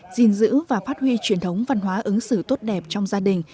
gìn giữ và phát huy truyền thống văn hóa ứng xử tốt đẹp trong gia đình